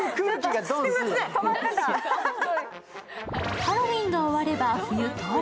ハロウィーンが終われば冬到来。